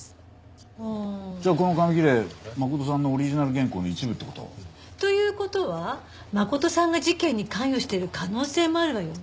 じゃあこの紙切れ真琴さんのオリジナル原稿の一部って事？という事は真琴さんが事件に関与している可能性もあるわよね。